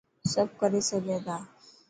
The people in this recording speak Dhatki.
سڀ ڪري سگهي ٿا.